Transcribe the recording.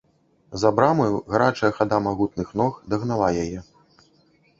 За брамаю гарачая хада магутных ног дагнала яе.